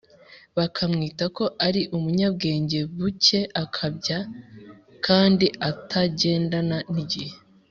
bakamwita ko ari umunyabwenge bucye, akabya kandi atagendana n’igihe.